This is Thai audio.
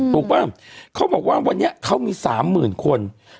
ถูกปะเขาบอกว่าวันนี้เขามี๓หมื่นคน